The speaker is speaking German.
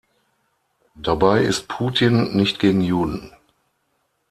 Dabei ist Putin nicht gegen Juden.